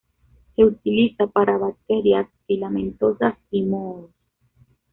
Se utiliza para bacterias filamentosas y mohos.